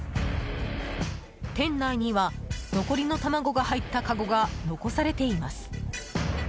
店内には残りの卵が入ったかごが残されています。